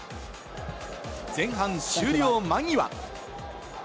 前半終了間際。